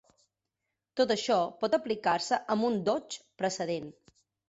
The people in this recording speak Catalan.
Tot això pot aplicar-se amb un "doch" precedent.